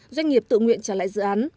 doanh nghiệp tự nguyện trả lại dự án